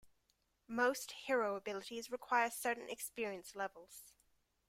Most hero abilities require certain experience levels.